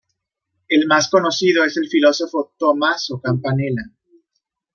El más conocido es el filósofo Tommaso Campanella.